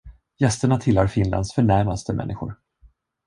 Gästerna tillhör Finlands förnämaste människor.